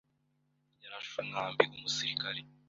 Yarashe umwambi umusirikare.